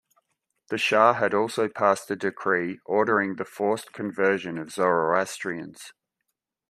The shah had also passed a decree ordering the forced conversion of Zoroastrians.